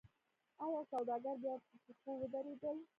آیا سوداګر بیا په پښو ودرېدل؟